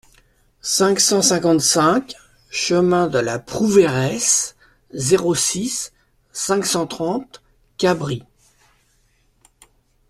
cinq cent cinquante-cinq chemin de la Prouveiresse, zéro six, cinq cent trente, Cabris